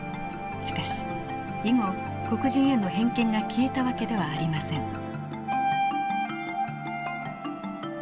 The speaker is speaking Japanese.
しかし以後黒人への偏見が消えた訳ではありません。